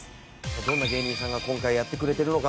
どんな芸人さんが今回やってくれてるのか？